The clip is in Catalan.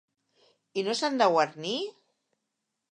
I no s'han de guarnir?